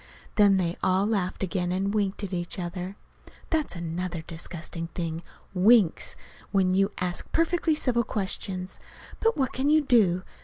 Then they all laughed again, and winked at each other. (That's another disgusting thing winks when you ask a perfectly civil question! But what can you do?